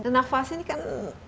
dan nafas ini kan